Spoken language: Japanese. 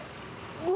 うわ！